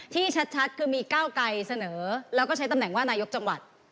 ที่ชัดคือมีก้าวไกรเสนอแล้วก็ใช้ตำแหน่งว่านายกจังหวัด